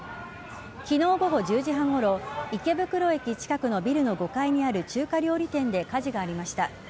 昨日午後１０時半ごろ池袋駅近くのビルの５階にある中華料理店で火事がありました。